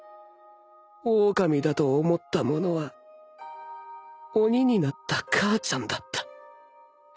オオカミだと思ったものは鬼になった母ちゃんだった